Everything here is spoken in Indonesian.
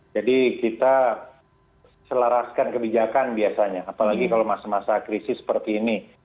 jadi kita selaraskan kebijakan biasanya apalagi kalau masa masa krisis seperti ini